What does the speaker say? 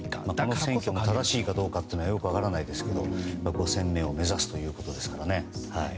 この選挙が正しいかどうかよく分からないですけど５戦目を目指すということですからね。